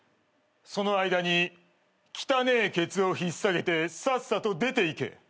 その間に汚えケツを引っ提げてさっさと出ていけ。